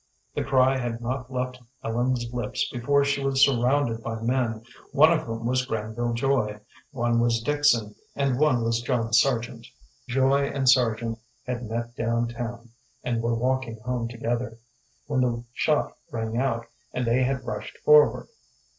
The cry had not left Ellen's lips before she was surrounded by men, one of whom was Granville Joy, one was Dixon, and one was John Sargent. Joy and Sargent had met down town, and were walking home together, when the shot rang out, and they had rushed forward.